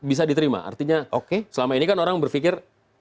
bisa di terima artinya selama ini kan orang berpikir